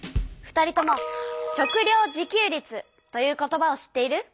２人とも食料自給率という言葉を知っている？